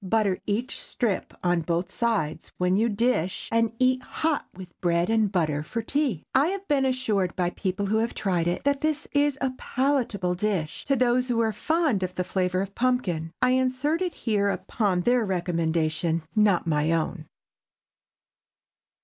Butter each strip on both sides when you dish, and eat hot with bread and butter for tea. I have been assured, by people who have tried it, that this is a palatable dish to those who are fond of the flavor of pumpkin. I insert it here upon their recommendation—not my own.